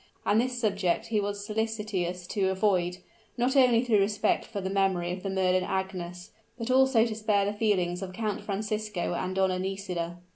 And this subject he was solicitous to avoid, not only through respect for the memory of the murdered Agnes, but also to spare the feelings of Count Francisco and Donna Nisida.